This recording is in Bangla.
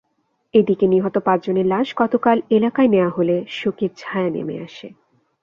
এদিকে নিহত পাঁচজনের লাশ গতকাল এলাকায় নেওয়া হলে শোকের ছায়া নেমে আসে।